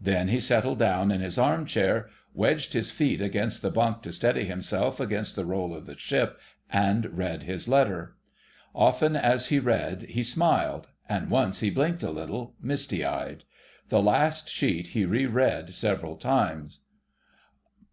Then he settled down in his armchair, wedged his feet against the bunk to steady himself against the roll of the ship, and read his letter. Often as he read he smiled, and once he blinked a little, misty eyed. The last sheet he re read several times.